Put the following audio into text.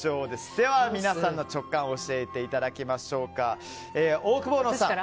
では皆さんの直感を教えていただきましょう。